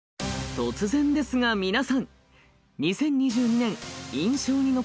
突然ですが皆さん！